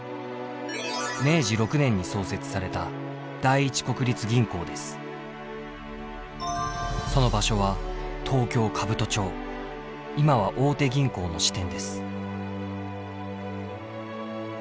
明治６年に創設されたその場所は東京・兜町今は大手銀行の支店です。